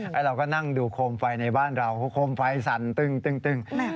แล้วเราก็นั่งดูโคมไฟในบ้านเราโคมไฟสั่นตึ้ง